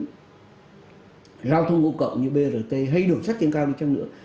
giao thông ngũ cộng như brt hay đường sắt trên cao đi chăng nữa